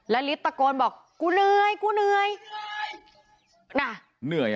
และลิฟต์ตะโกนบอกกูเหนื่อย